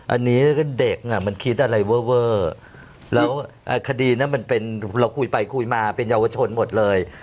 อันนี้ก็เด็กอ่ะมันคิดอะไรเวอร์แล้วคดีนั้นมันเป็นเราคุยไปคุยมาเป็นเยาวชนหมดเลย